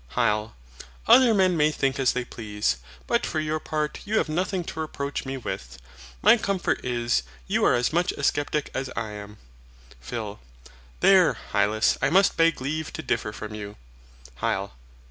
HYL. Other men may think as they please; but for your part you have nothing to reproach me with. My comfort is, you are as much a sceptic as I am. PHIL. There, Hylas, I must beg leave to differ from you. HYL.